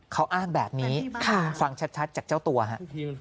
เขาอ้างแบบนี้ฟังชัดจากเจ้าตัวฮะ